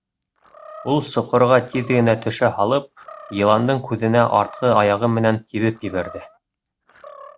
Ул соҡорға тиҙ генә төшә һалып, йыландың күҙенә артҡы аяғы менән тибеп ебәрҙе.